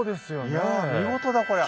いや見事だこりゃ。